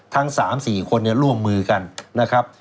ทั้ง๓๔คนร่วมมือกันนะครับ